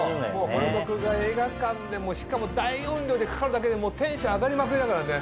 この曲が映画館でしかも大音量でかかるだけでテンション上がりまくりだからね。